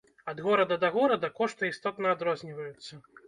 Ад горада да горада кошты істотна адрозніваюцца!